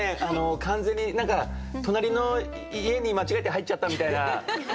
完全に何か隣の家に間違えて入っちゃったみたいな。